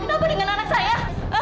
kenapa dengan anak saya